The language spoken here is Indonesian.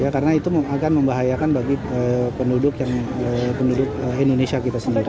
karena itu akan membahayakan bagi penduduk indonesia kita sendiri